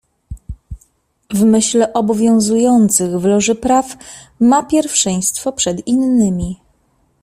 "W myśl obowiązujących w Loży praw ma pierwszeństwo przed innymi."